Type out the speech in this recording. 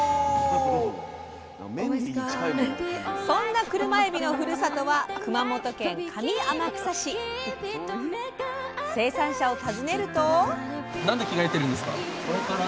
そんなクルマエビのふるさとは生産者を訪ねると。